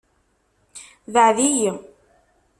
Bɛed-iyi.